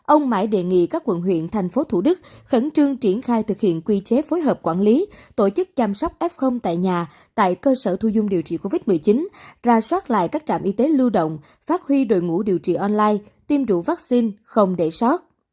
ông mãi đề nghị các quận huyện thành phố thủ đức khẩn trương triển khai thực hiện quy chế phối hợp quản lý tổ chức chăm sóc f tại nhà tại cơ sở thu dung điều trị covid một mươi chín ra soát lại các trạm y tế lưu động phát huy đội ngũ điều trị online tiêm đủ vaccine không để sót